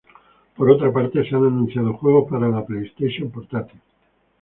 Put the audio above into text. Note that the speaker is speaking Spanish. Por otra parte, se han anunciado juegos para la PlayStation Portátil.